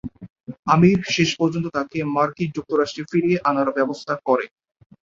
আমির শেষ পর্যন্ত তাকে মার্কিন যুক্তরাষ্ট্রে ফিরিয়ে আনার ব্যবস্থা করে।